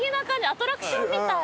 アトラクションみたい。